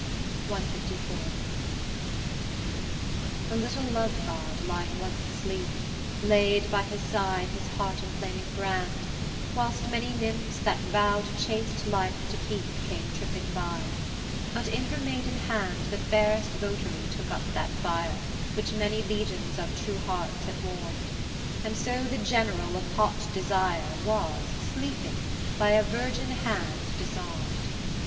CLIV The little Love god lying once asleep, Laid by his side his heart inflaming brand, Whilst many nymphs that vow'd chaste life to keep Came tripping by; but in her maiden hand The fairest votary took up that fire Which many legions of true hearts had warm'd; And so the general of hot desire Was, sleeping, by a virgin hand disarm'd.